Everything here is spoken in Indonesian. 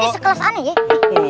wah ini sekelas aneh